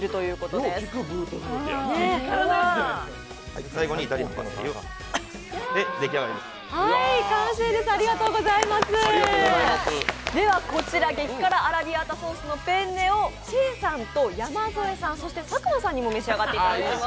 では激辛アラビアータソースのペンネをケイさんと山添さんそして佐久間さんにも召し上がっていただきます。